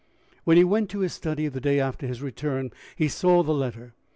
When he went to his study the day after his return, he saw the letter.